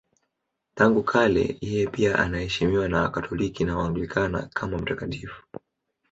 Tangu kale yeye pia anaheshimiwa na Wakatoliki na Waanglikana kama mtakatifu.